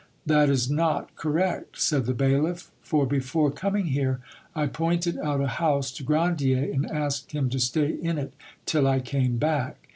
"That is not correct," said the bailiff, "for before coming here I pointed out a house to Grandier and asked him to stay in it till I came back.